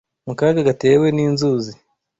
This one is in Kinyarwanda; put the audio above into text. mu kaga gatewe n’inzuzi